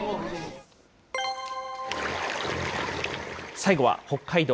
最後は北海道。